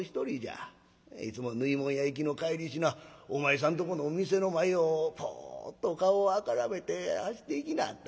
いつも縫い物屋行きの帰りしなお前さんとこの店の前をポーッと顔を赤らめて走っていきなはった。